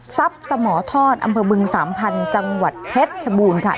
สมทอดอำเภอบึงสามพันธุ์จังหวัดเพชรชบูรณ์ค่ะ